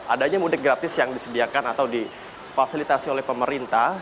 adanya mudik gratis yang disediakan atau difasilitasi oleh pemerintah